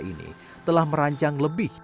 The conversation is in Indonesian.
ada beberapa pengguna yang menggunakan